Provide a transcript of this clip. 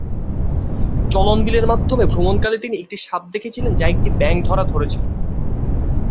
চলন বিলের মাধ্যমে ভ্রমণকালে তিনি একটি সাপ দেখেছিলেন যা একটি ব্যাঙ ধরা ধরেছিল।